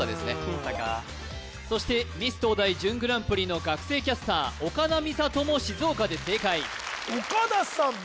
僅差かそしてミス東大準グランプリの学生キャスター岡田美里も静岡で正解岡田さん